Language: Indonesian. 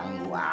sangguh aja ma